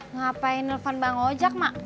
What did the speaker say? ngapain nelfon bang ojek mak